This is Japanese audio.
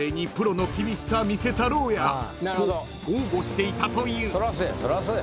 ［と豪語していたという］